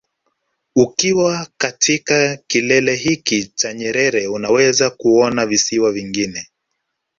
Ukiwa katika kilele hiki cha Nyerere unaweza kuona visiwa vingine